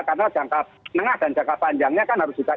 karena jangka menengah dan jangka panjangnya kan harus juga